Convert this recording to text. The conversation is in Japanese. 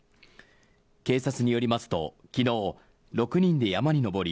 警察によりますと昨日６人で山に登り